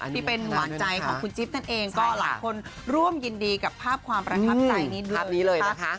ที่เป็นหวานใจของคุณจิ๊บนั่นเองก็หลายคนร่วมยินดีกับภาพความประทับใจนิดนึงภาพนี้เลยนะคะ